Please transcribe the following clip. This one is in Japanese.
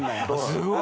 すごい。